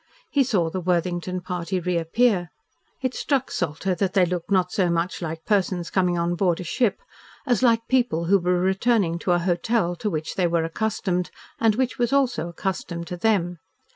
He saw the Worthington party reappear. It struck Salter that they looked not so much like persons coming on board a ship, as like people who were returning to a hotel to which they were accustomed, and which was also accustomed to them.